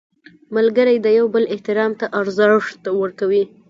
ملګری د یو بل احترام ته ارزښت ورکوي